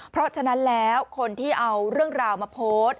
เพราะฉะนั้นแล้วคนที่เอาเรื่องราวมาโพสต์